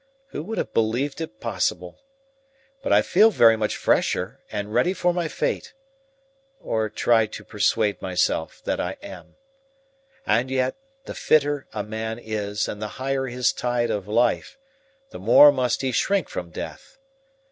Who would have believed it possible? But I feel very much fresher, and ready for my fate or try to persuade myself that I am. And yet, the fitter a man is, and the higher his tide of life, the more must he shrink from death.